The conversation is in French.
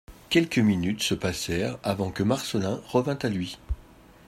Quelques minutes se passèrent avant que Marcelin revînt à lui.